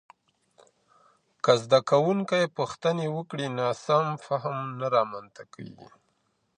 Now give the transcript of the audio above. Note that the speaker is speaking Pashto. که زده کوونکي پوښتني وکړي، ناسم فهم نه رامنځته کېږي.